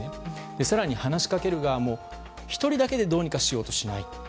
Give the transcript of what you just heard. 更に、話しかける側も１人だけでどうにかしようとしないと。